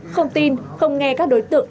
không tin không nghe các đối tượng